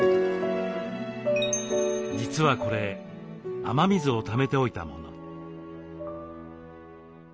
実はこれ雨水をためておいたもの。